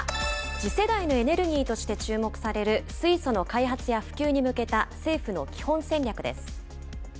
次世代のエネルギーとして注目される水素の開発や普及に向けた政府の基本戦略です。